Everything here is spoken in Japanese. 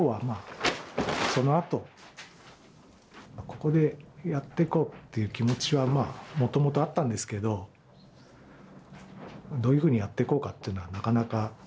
ここでやっていこうっていう気持ちはまあもともとあったんですけどどういうふうにやっていこうかっていうのはなかなか。